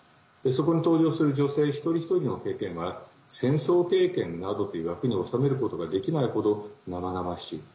そこに登場する女性一人一人の経験は戦争経験などという枠に収めることができないほど生々しい。